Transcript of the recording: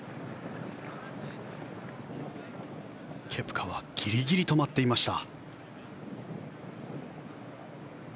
ケプカはギリギリ止まっていました。